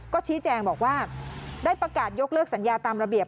ก็ชี้แจงบอกว่าได้ประกาศยกเลิกสัญญาตามระเบียบ